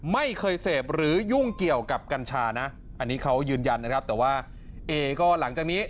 ไม่เคยเสพหรือยุ่งเกี่ยวกับกัญชานะอันนี้เขายืนยันนะครับแต่ว่าเอก็หลังจากนี้